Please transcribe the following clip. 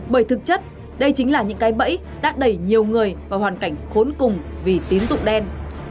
bởi thực chất đây chính là những cái bẫy đã đẩy nhiều người vào hoàn cảnh khốn cùng vì tín dụng đen